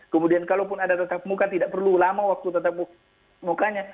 kemudian kalaupun ada tetap muka tidak perlu lama waktu tetap mukanya